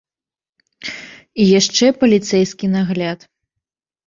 І яшчэ паліцэйскі нагляд.